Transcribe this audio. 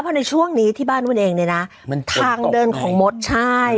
เพราะในช่วงนี้ที่บ้านคุณเองเนี่ยนะมันทางเดินของมดใช่